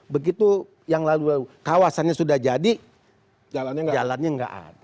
begitu yang lalu kawasannya sudah jadi jalannya nggak ada